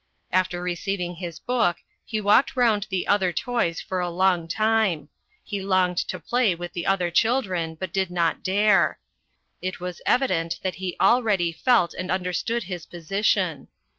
After receiving his book he walked round the other toys for a long time; he longed to play with the other children, but did not dare ; it was evident that he already felt and understood his position.